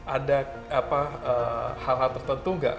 ada hal hal tertentu nggak